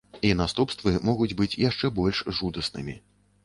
І наступствы могуць быць яшчэ больш жудаснымі.